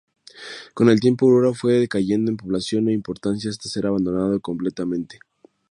Con el tiempo Aurora fue decayendo en población e importancia, hasta ser abandonado completamente.